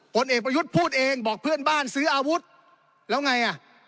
ผลเอกประยุทธ์พูดเองบอกเพื่อนบ้านซื้ออาวุธแล้วไงอ่ะ